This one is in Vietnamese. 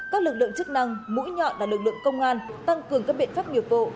các lực lượng chức năng mũi nhọn là lực lượng công an tăng cường các biện pháp nghiệp vụ